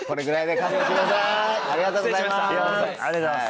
ありがとうございます。